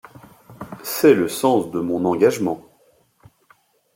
C’est le sens de mon engagement.